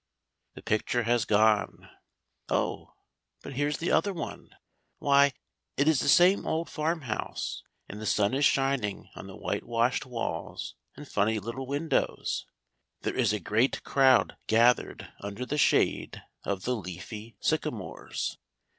The picture has gone. Oh, but here's the other one. Why, it is the same old farmhouse, and the sun is shining on the whitewashed walls and funny little windows. There is a great crowd gathered under the shade of the leafy sycamores.